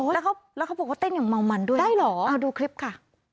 แล้วเขาบอกว่าเต้นอย่างเมามันด้วยได้เหรอเอาดูคลิปค่ะ